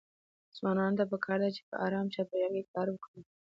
ځوانانو ته پکار ده چې په ارام چاپيريال کې کار وکړي.